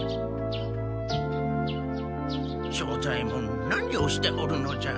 庄左ヱ門何をしておるのじゃ。